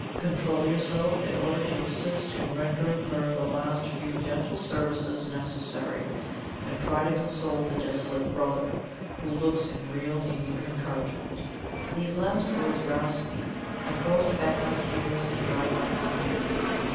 Control yourself, in order to assist in rendering her the last few gentle services necessary; and try to console the desolate brother, who looks in real need of encouragement." These last words roused me. I forced back my tears, and dried my eyes.